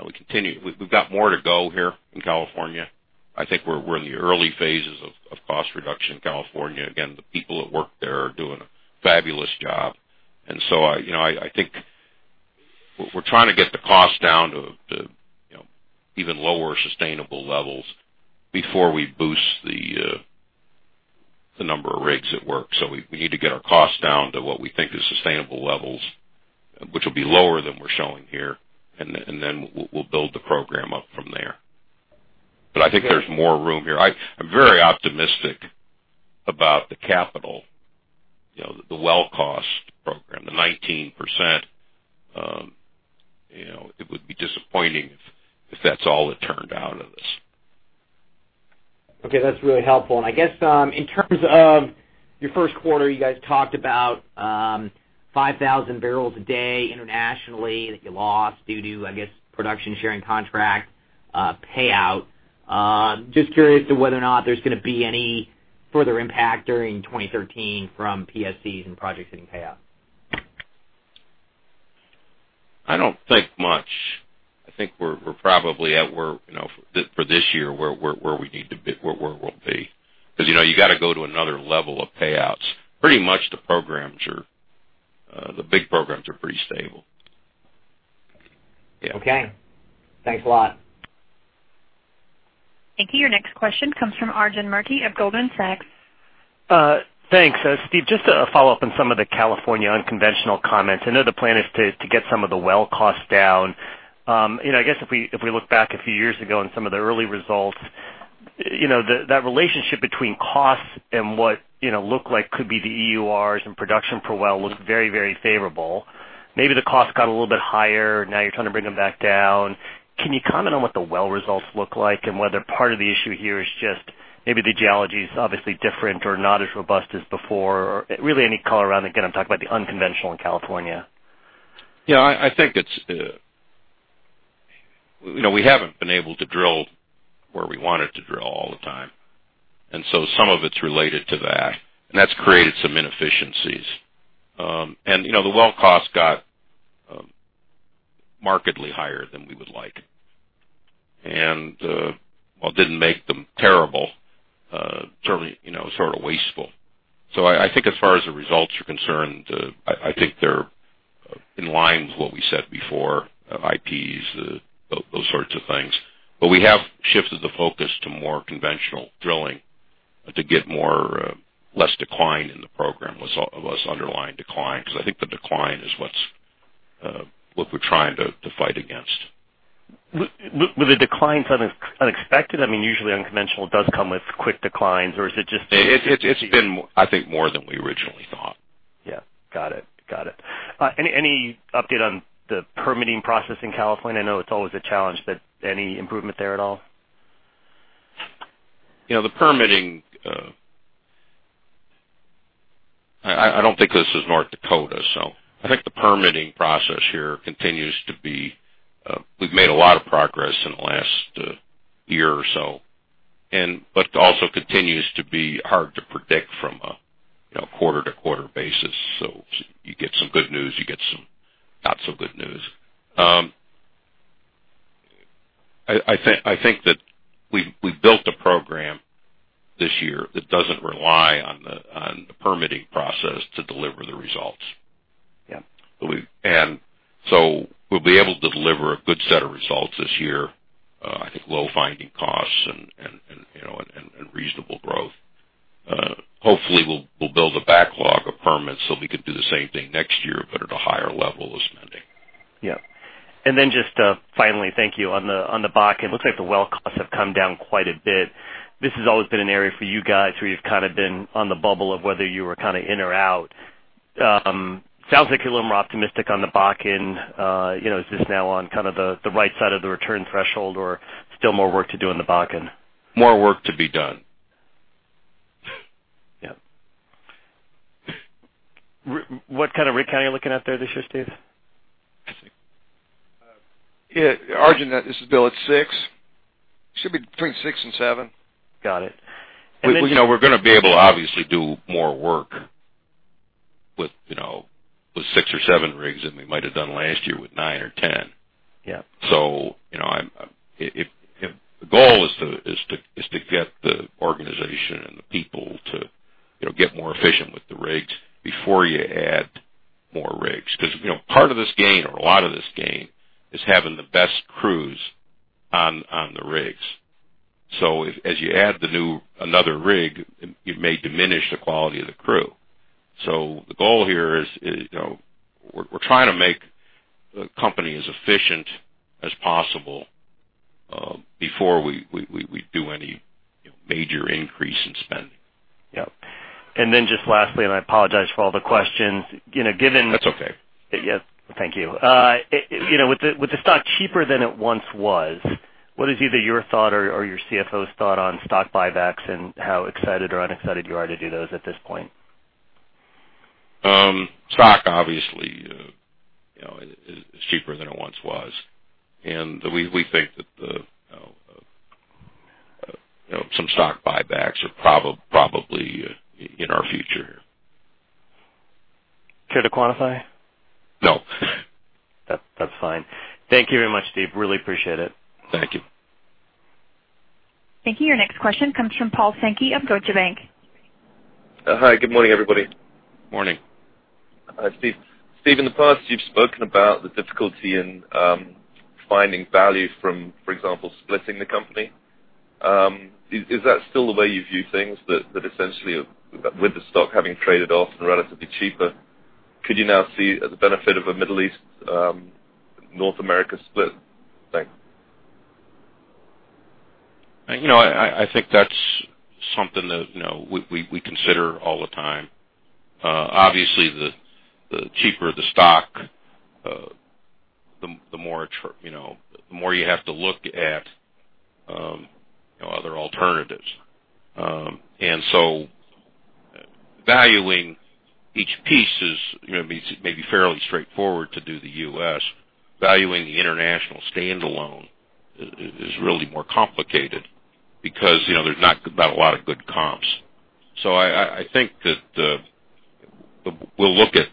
We've got more to go here in California. I think we're in the early phases of cost reduction in California. Again, the people that work there are doing a fabulous job. I think we're trying to get the cost down to even lower sustainable levels before we boost the number of rigs at work. We need to get our costs down to what we think are sustainable levels, which will be lower than we're showing here, and then we'll build the program up from there. I think there's more room here. I'm very optimistic about the capital, the well cost program, the 19%. It would be disappointing if that's all that turned out of this. Okay. That's really helpful. I guess in terms of your first quarter, you guys talked about 5,000 barrels a day internationally that you lost due to, I guess, production sharing contract payout. Just curious to whether or not there's going to be any further impact during 2013 from PSCs and projects hitting payout. I don't think much. I think we're probably at where, for this year, where we'll be. You've got to go to another level of payouts. Pretty much the big programs are pretty stable. Okay. Thanks a lot. Thank you. Your next question comes from Arjun Murti of Goldman Sachs. Thanks. Steve, just a follow-up on some of the California unconventional comments. I know the plan is to get some of the well cost down. I guess if we look back a few years ago on some of the early results, that relationship between costs and what looked like could be the EURs and production per well looked very, very favorable. Maybe the cost got a little bit higher. Now you're trying to bring them back down. Can you comment on what the well results look like and whether part of the issue here is just maybe the geology is obviously different or not as robust as before? Really any color around, again, I'm talking about the unconventional in California. Yeah, I think we haven't been able to drill where we wanted to drill all the time. Some of it's related to that, and that's created some inefficiencies. The well cost got markedly higher than we would like. While it didn't make them terrible, certainly sort of wasteful. I think as far as the results are concerned, I think they're in line with what we said before, IPs, those sorts of things. We have shifted the focus to more conventional drilling to get less decline in the program, less underlying decline, because I think the decline is what we're trying to fight against. Were the declines unexpected? Usually unconventional does come with quick declines or is it just- It's been, I think, more than we originally thought. Yeah. Got it. Any update on the permitting process in California? I know it's always a challenge, but any improvement there at all? The permitting I don't think this is North Dakota. We've made a lot of progress in the last year or so, but also continues to be hard to predict from a quarter-to-quarter basis. You get some good news, you get some not so good news. I think that we've built a program this year that doesn't rely on the permitting process to deliver the results. Yeah. We'll be able to deliver a good set of results this year. I think low finding costs and reasonable growth. Hopefully, we'll build a backlog of permits so we can do the same thing next year, but at a higher level of spending. Yeah. Just finally, thank you. On the Bakken, looks like the well costs have come down quite a bit. This has always been an area for you guys where you've kind of been on the bubble of whether you were kind of in or out. Sounds like you're a little more optimistic on the Bakken. Is this now on kind of the right side of the return threshold or still more work to do in the Bakken? More work to be done. Yeah. What kind of rig count are you looking at there this year, Steve? Yeah. Our argument, this is built at six. Should be between six and seven. Got it. We're going to be able to obviously do more work with six or seven rigs than we might have done last year with nine or 10. Yeah. The goal is to get the organization and the people to get more efficient with the rigs before you add more rigs. Because part of this gain or a lot of this gain is having the best crews on the rigs. As you add another rig, it may diminish the quality of the crew. The goal here is we're trying to make the company as efficient as possible before we do any major increase in spending. Yeah. Just lastly, I apologize for all the questions. That's okay. Yeah. Thank you. With the stock cheaper than it once was, what is either your thought or your CFO's thought on stock buybacks and how excited or unexcited you are to do those at this point? Stock, obviously, is cheaper than it once was, and we think that some stock buybacks are probably in our future. Care to quantify? No. That's fine. Thank you very much, Steve. Really appreciate it. Thank you. Thank you. Your next question comes from Paul Sankey of Deutsche Bank. Hi, good morning, everybody. Morning. Hi, Steve, in the past, you've spoken about the difficulty in finding value from, for example, splitting the company. Is that still the way you view things, that essentially with the stock having traded off and relatively cheaper, could you now see the benefit of a Middle East, North America split? Thanks. I think that's something that we consider all the time. Obviously, the cheaper the stock, the more you have to look at other alternatives. Valuing each piece may be fairly straightforward to do the U.S. Valuing the international standalone is really more complicated because there's not a lot of good comps. I think that we'll look at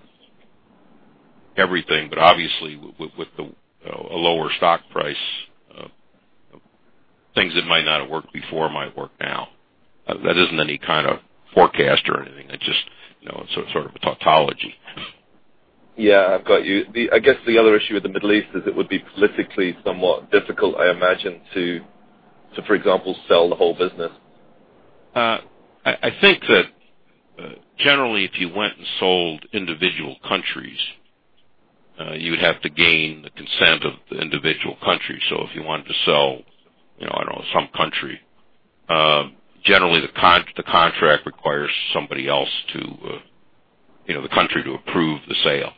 everything, but obviously with a lower stock price, things that might not have worked before might work now. That isn't any kind of forecast or anything. It's just sort of a tautology. Yeah, I've got you. I guess the other issue with the Middle East is it would be politically somewhat difficult, I imagine, to, for example, sell the whole business. I think that generally, if you went and sold individual countries, you would have to gain the consent of the individual country. If you wanted to sell some country, generally the contract requires the country to approve the sale.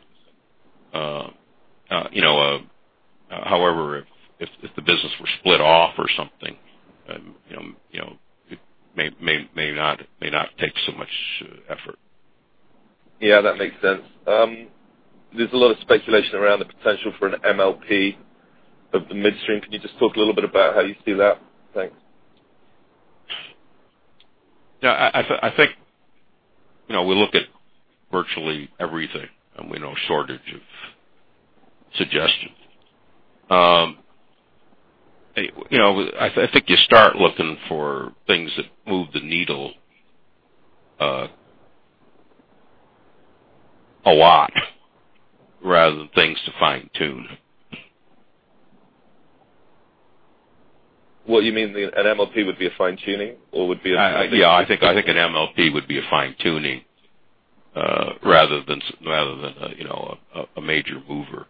However, if the business were split off or something, it may not take so much effort. Yeah, that makes sense. There's a lot of speculation around the potential for an MLP of the midstream. Can you just talk a little bit about how you see that? Thanks. Yeah. I think we look at virtually everything, and we've no shortage of suggestions. I think you start looking for things that move the needle a lot rather than things to fine-tune. What you mean an MLP would be a fine-tuning or would be? Yeah, I think an MLP would be a fine-tuning, rather than a major mover.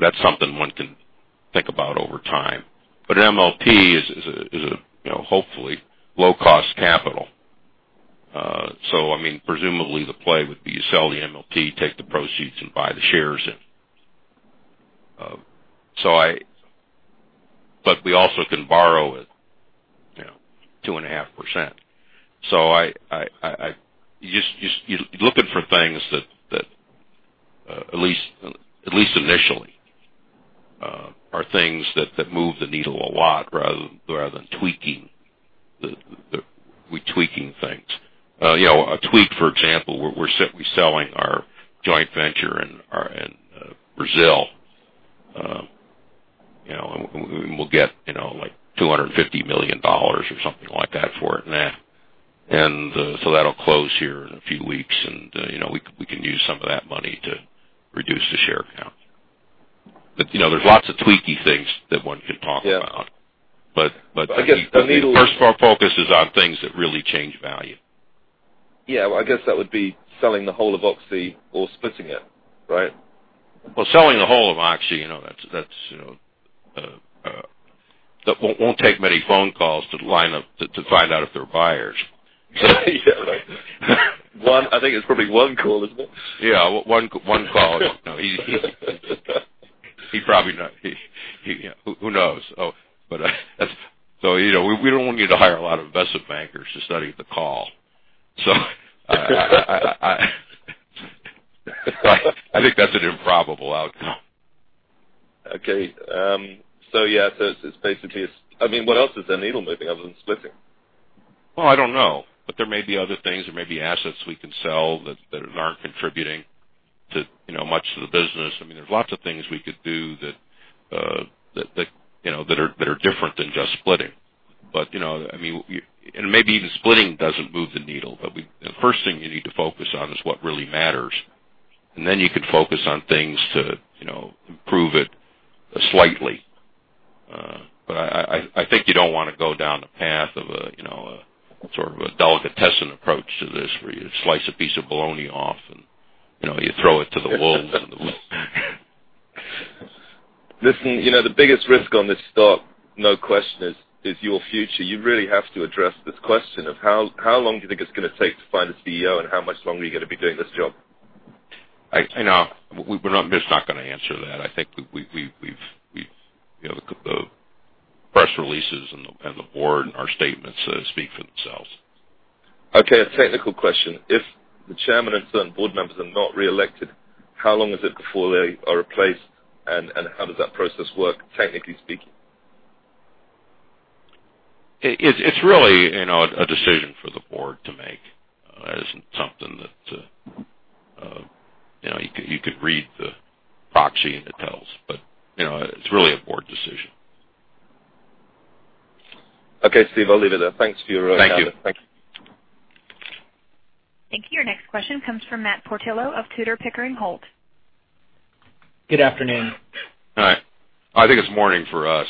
That's something one can think about over time. An MLP is hopefully low-cost capital. Presumably the play would be you sell the MLP, take the proceeds, and buy the shares in. We also can borrow at 2.5%. You're looking for things that, at least initially, are things that move the needle a lot rather than tweaking things. A tweak, for example, we're selling our joint venture in Brazil. We'll get $250 million or something like that for it, meh. That'll close here in a few weeks, and we can use some of that money to reduce the share count. There's lots of tweaky things that one can talk about. Yeah. I guess the First of all, focus is on things that really change value. Yeah. I guess that would be selling the whole of Oxy or splitting it, right? Well, selling the whole of Oxy, that won't take many phone calls to line up to find out if they're buyers. Yeah, right. One, I think it's probably one call, isn't it? Yeah, one call. Who knows? We don't need to hire a lot of investment bankers to study the call. I think that's an improbable outcome. Okay. Yeah. What else is the needle moving other than splitting? Well, I don't know. There may be other things, there may be assets we can sell that aren't contributing to much of the business. There's lots of things we could do that are different than just splitting. Maybe even splitting doesn't move the needle. The first thing you need to focus on is what really matters, and then you can focus on things to improve it slightly. I think you don't want to go down a path of a delicatessen approach to this, where you slice a piece of bologna off, and you throw it to the wolves, and the wolves. Listen, the biggest risk on this stock, no question, is your future. You really have to address this question of how long do you think it's going to take to find a CEO, and how much longer are you going to be doing this job? I know. We're just not going to answer that. I think the press releases and the board, our statements speak for themselves. Okay. A technical question. If the chairman and certain board members are not reelected, how long is it before they are replaced, and how does that process work, technically speaking? It's really a decision for the board to make. It isn't something that You could read the proxy and it tells, but it's really a board decision. Okay, Steve, I'll leave it there. Thanks for your time. Thank you. Thank you. Thank you. Your next question comes from Matt Portillo of Tudor, Pickering Holt. Good afternoon. Hi. I think it's morning for us.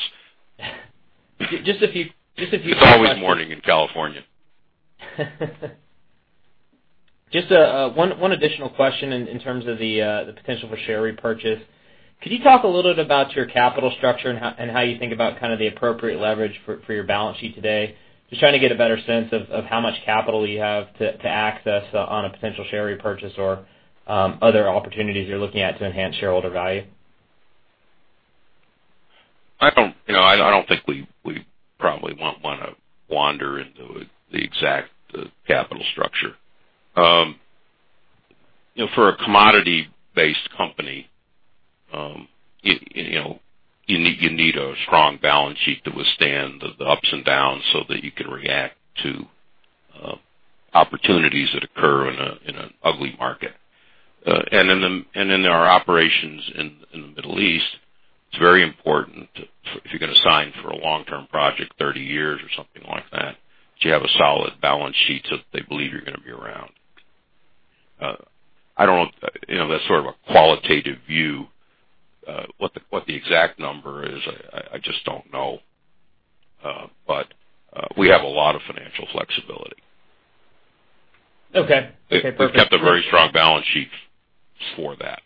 Just a few questions. It's always morning in California. Just one additional question in terms of the potential for share repurchase. Could you talk a little bit about your capital structure and how you think about the appropriate leverage for your balance sheet today? Just trying to get a better sense of how much capital you have to access on a potential share repurchase or other opportunities you're looking at to enhance shareholder value. I don't think we probably want to wander into the exact capital structure. For a commodity-based company you need a strong balance sheet to withstand the ups and downs so that you can react to opportunities that occur in an ugly market. In our operations in the Middle East, it's very important, if you're going to sign for a long-term project, 30 years or something like that you have a solid balance sheet so that they believe you're going to be around. That's sort of a qualitative view. What the exact number is, I just don't know. We have a lot of financial flexibility. Okay. Perfect. We've kept a very strong balance sheet for that.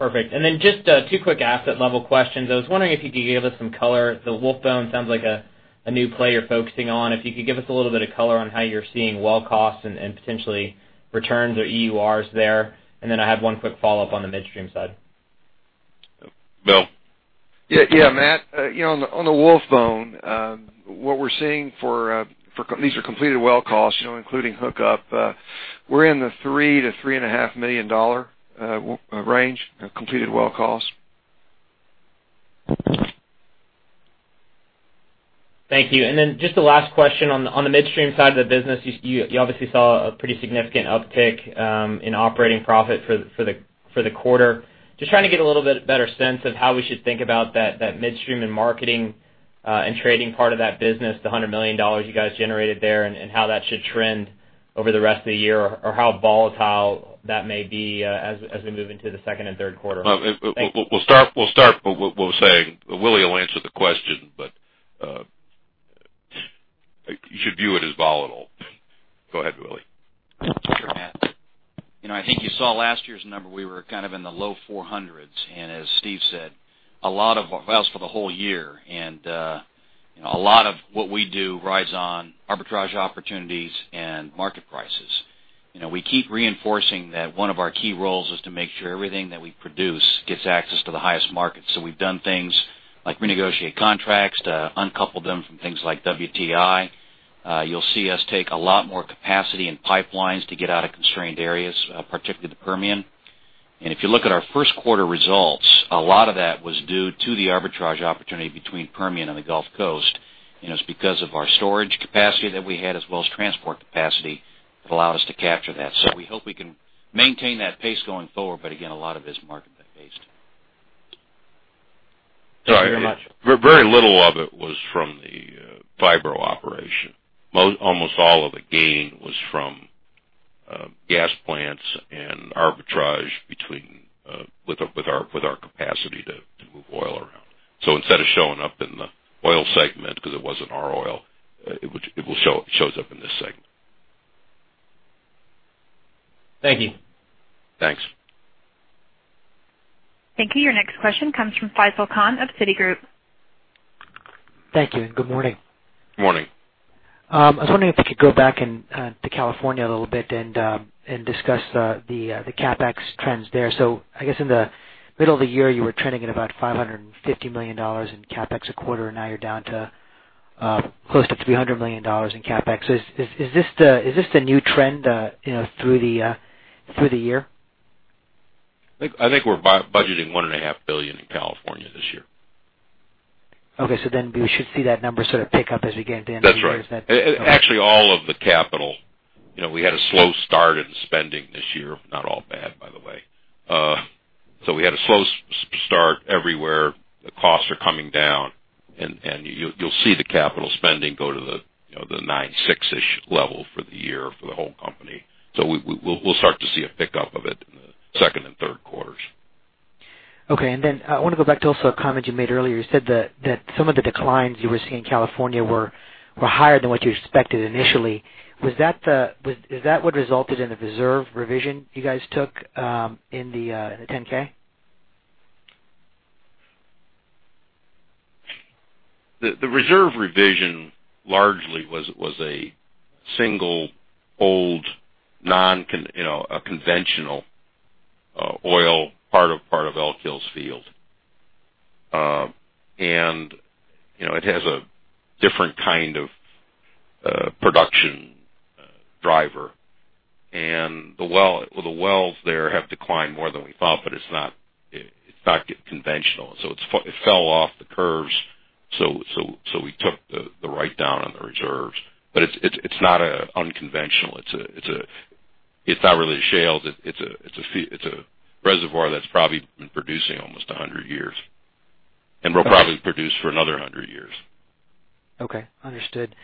Perfect. Just two quick asset level questions. I was wondering if you could give us some color. The Wolfbone sounds like a new play you're focusing on. If you could give us a little bit of color on how you're seeing well costs and potentially returns or EURs there. I have one quick follow-up on the midstream side. Bill? Yeah, Matt. On the Wolfbone, these are completed well costs including hookup. We're in the $3 million-$3.5 million range of completed well costs. Thank you. Just the last question on the midstream side of the business, you obviously saw a pretty significant uptick in operating profit for the quarter. Just trying to get a little bit better sense of how we should think about that midstream and marketing and trading part of that business, the $100 million you guys generated there, and how that should trend over the rest of the year, or how volatile that may be as we move into the second and third quarter. We'll start, Willie will answer the question, but you should view it as volatile. Go ahead, Willie. Sure can. I think you saw last year's number. We were kind of in the low 400s. As Steve said, a lot of that was for the whole year, and a lot of what we do rides on arbitrage opportunities and market prices. We keep reinforcing that one of our key roles is to make sure everything that we produce gets access to the highest market. We've done things like renegotiate contracts to uncouple them from things like WTI. You'll see us take a lot more capacity in pipelines to get out of constrained areas, particularly the Permian. If you look at our first quarter results, a lot of that was due to the arbitrage opportunity between Permian and the Gulf Coast. It's because of our storage capacity that we had as well as transport capacity that allowed us to capture that. We hope we can maintain that pace going forward, but again, a lot of it is market-based. Thank you very much. Very little of it was from the Phibro operation. Almost all of the gain was from gas plants and arbitrage with our capacity to move oil around. Instead of showing up in the oil segment because it wasn't our oil, it shows up in this segment. Thank you. Thanks. Thank you. Your next question comes from Faisel Khan of Citigroup. Thank you. Good morning. Morning. I was wondering if we could go back into California a little bit and discuss the CapEx trends there. I guess in the middle of the year, you were trending at about $550 million in CapEx a quarter, and now you're down to close to $300 million in CapEx. Is this the new trend through the year? I think we're budgeting $1.5 billion in California this year. Okay. We should see that number sort of pick up as you get into the end of the year. That's right. Actually, all of the capital, we had a slow start in spending this year, not all bad, by the way. We had a slow start everywhere. The costs are coming down, and you'll see the capital spending go to the nine six-ish level for the year for the whole company. We'll start to see a pickup of it in the second and third quarters. Okay. I want to go back to also a comment you made earlier. You said that some of the declines you were seeing in California were higher than what you expected initially. Is that what resulted in the reserve revision you guys took in the 10-K? The reserve revision largely was a single old, conventional oil part of Elk Hills field. It has a different kind of production driver. The wells there have declined more than we thought, but it's not conventional. It fell off the curves. We took the write down on the reserves. It's not unconventional. It's not really shales. It's a reservoir that's probably been producing almost 100 years and will probably produce for another 100 years. Okay. Understood.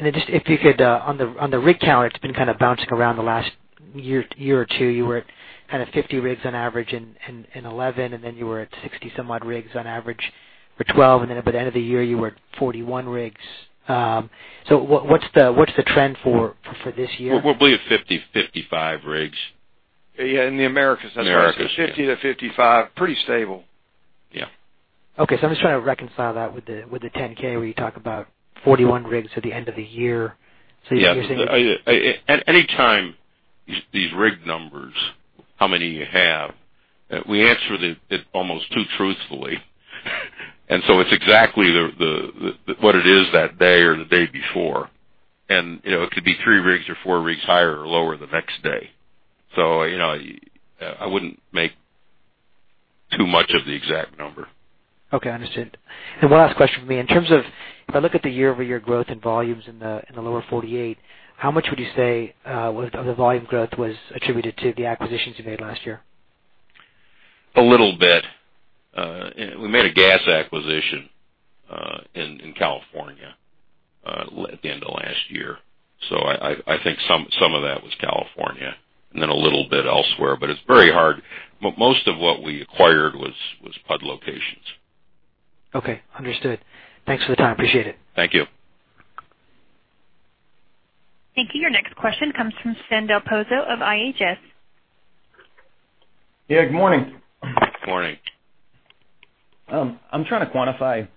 Then just if you could, on the rig count, it's been kind of bouncing around the last year or two. You were at 50 rigs on average in 2011, then you were at 60 some odd rigs on average for 2012, then by the end of the year, you were at 41 rigs. What's the trend for this year? We'll be at 50, 55 rigs. Yeah, in the Americas. Americas. 50 to 55. Pretty stable. Yeah. Okay. I'm just trying to reconcile that with the 10-K where you talk about 41 rigs at the end of the year. Yeah. At any time, these rig numbers, how many you have, we answer it almost too truthfully. It's exactly what it is that day or the day before. It could be three rigs or four rigs higher or lower the next day. I wouldn't make too much of the exact number. Okay. Understood. One last question from me. In terms of if I look at the year-over-year growth in volumes in the lower 48, how much would you say of the volume growth was attributed to the acquisitions you made last year? A little bit. We made a gas acquisition in California at the end of last year. I think some of that was California and then a little bit elsewhere, but it's very hard. Most of what we acquired was PUD locations. Understood. Thanks for the time. Appreciate it. Thank you. Thank you. Your next question comes from Stan Del Pozo of IHS. Yeah, good morning. Morning. I'm trying to quantify.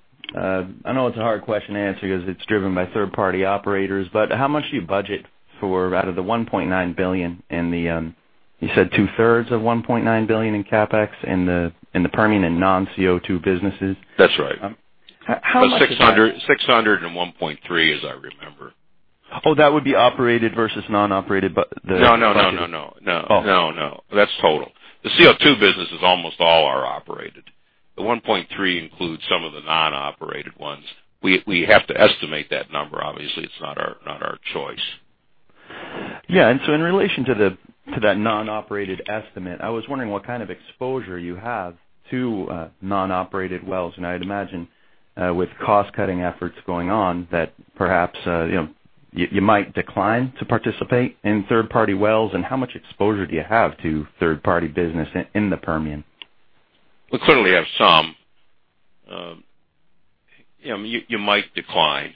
I know it's a hard question to answer because it's driven by third-party operators, but how much do you budget for out of the $1.9 billion and you said two-thirds of $1.9 billion in CapEx in the Permian and non-CO2 businesses? That's right. How much is that? 600 and 1.3, as I remember. Oh, that would be operated versus non-operated? No, that's total. The CO2 business is almost all are operated. The 1.3 includes some of the non-operated ones. We have to estimate that number. Obviously, it's not our choice. Yeah. In relation to that non-operated estimate, I was wondering what kind of exposure you have to non-operated wells. I'd imagine with cost-cutting efforts going on that perhaps you might decline to participate in third-party wells, and how much exposure do you have to third-party business in the Permian? We clearly have some. You might decline.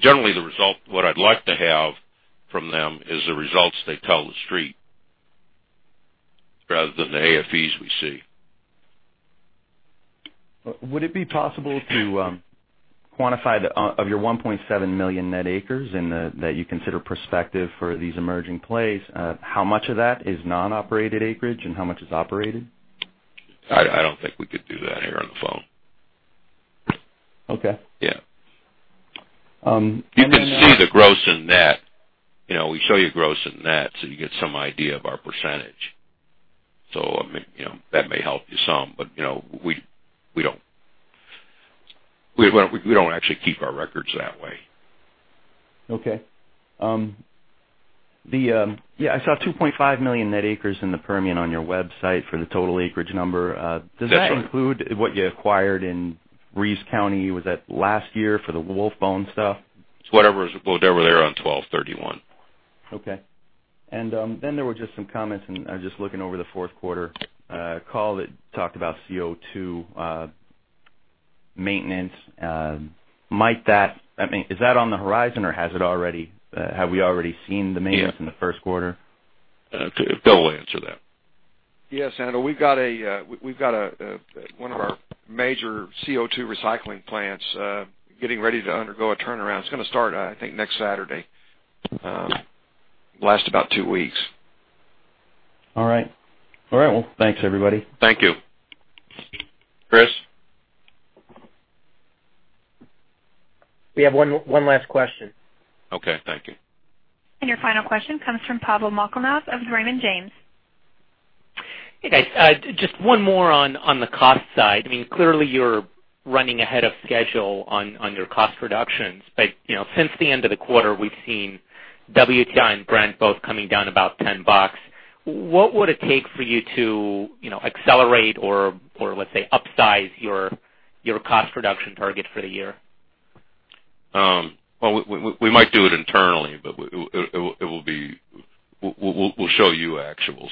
Generally, what I'd like to have from them is the results they tell the street, rather than the AFEs we see. Would it be possible to quantify, of your 1.7 million net acres that you consider prospective for these emerging plays, how much of that is non-operated acreage and how much is operated? I don't think we could do that here on the phone. Okay. Yeah. Then I'll ask. You can see the gross and net. We show you gross and net, so you get some idea of our percentage. That may help you some. We don't actually keep our records that way. Okay. I saw 2.5 million net acres in the Permian on your website for the total acreage number. That's right. Does that include what you acquired in Reeves County, was it last year, for the Wolfbone stuff? It's whatever's there on 12/31. Okay. Then there were just some comments, and I was just looking over the fourth quarter call that talked about CO2 maintenance. Is that on the horizon or have we already seen the maintenance in the first quarter? Bill will answer that. Yes, we've got one of our major CO2 recycling plants getting ready to undergo a turnaround. It's going to start, I think, next Saturday. Last about two weeks. All right. Well, thanks everybody. Thank you. Chris? We have one last question. Okay. Thank you. Your final question comes from Pavel Molchanov of Raymond James. Hey, guys. Just one more on the cost side. Clearly you're running ahead of schedule on your cost reductions. Since the end of the quarter, we've seen WTI and Brent both coming down about $10. What would it take for you to accelerate or let's say, upsize your cost reduction target for the year? Well, we might do it internally, but we'll show you actuals.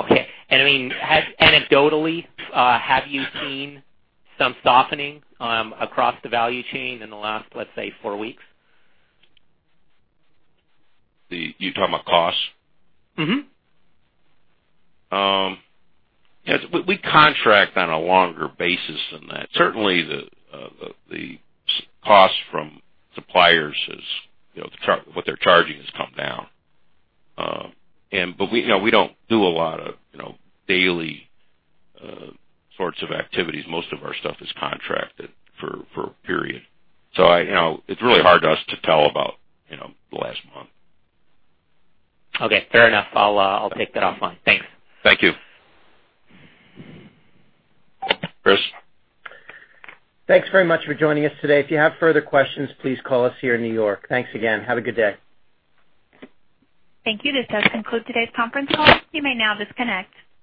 Okay. Anecdotally, have you seen some softening across the value chain in the last, let's say, four weeks? You talking about costs? We contract on a longer basis than that. Certainly, the cost from suppliers, what they're charging, has come down. We don't do a lot of daily sorts of activities. Most of our stuff is contracted for a period. It's really hard for us to tell about the last month. Okay, fair enough. I'll take that offline. Thanks. Thank you. Chris? Thanks very much for joining us today. If you have further questions, please call us here in New York. Thanks again. Have a good day. Thank you. This does conclude today's conference call. You may now disconnect.